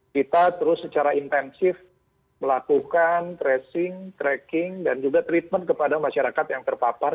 kita terus secara intensif melakukan tracing tracking dan juga treatment kepada masyarakat yang terpapar